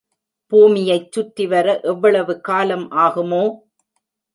பூமியைச் சுற்றிவர எவ்வளவு காலம் ஆகுமோ?